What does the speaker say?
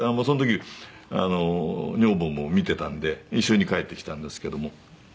その時女房も見てたんで一緒に帰ってきたんですけども。